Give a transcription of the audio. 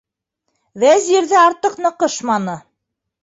Вәзир ҙә артыҡ ныҡышманы.